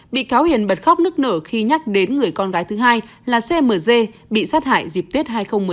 bị cáo hiền bật khóc nức nở khi nhắc đến người con gái thứ hai là cmc bị sát hại dịp tết hai nghìn một mươi chín